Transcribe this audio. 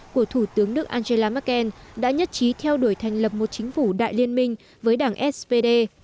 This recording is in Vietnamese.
của thủ tướng đức angela merkel đã nhất trí theo đuổi thành lập một chính phủ đại liên minh với đảng spd